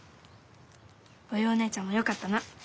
おようねえちゃんもよかったな。